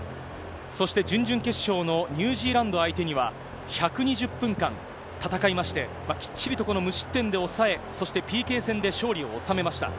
そして準々決勝のニュージーランド相手には、１２０分間戦いまして、きっちりとこの無失点で抑え、そしてＰＫ戦で勝利を収めました。